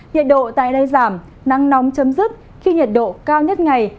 nhiệt độ tại đây giảm nắng nóng chấm dứt khi nhiệt độ cao nhất ngày